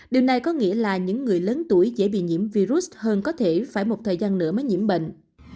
điều này có nghĩa là những người lớn tuổi dễ bị nhiễm virus hơn có thể phải một thời gian nữa mới nhiễm bệnh